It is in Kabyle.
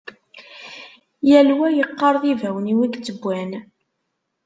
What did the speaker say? Yal wa yeqqar d ibawen-iw i yettewwan.